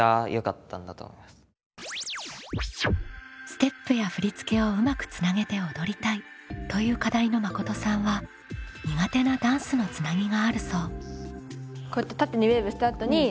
「ステップや振り付けをうまくつなげて踊りたい」という課題のまことさんは苦手なダンスのつなぎがあるそう。